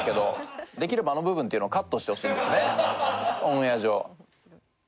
オンエア上。